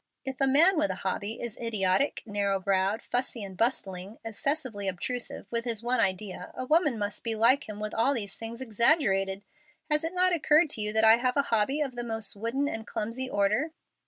If a man with a hobby is idiotic, narrow browed, fussy and bustling, excessively obtrusive with his one idea, a woman must be like him with all these things exaggerated. Has it not occurred to you that I have a hobby of the most wooden and clumsy order?"